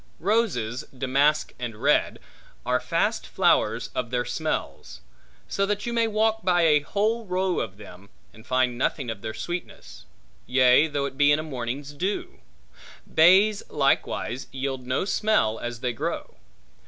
Roses, damask and red, are fast flowers of their smells; so that you may walk by a whole row of them, and find nothing of their sweetness; yea though it be in a morning's dew. Bays likewise yield no smell as they grow.